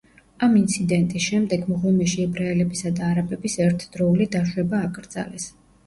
ამ ინციდენტის შემდეგ მღვიმეში ებრაელებისა და არაბების ერთდროული დაშვება აკრძალეს.